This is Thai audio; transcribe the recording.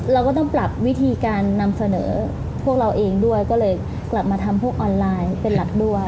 เราก็ต้องปรับวิธีการนำเสนอพวกเราเองด้วยก็เลยกลับมาทำพวกออนไลน์เป็นหลักด้วย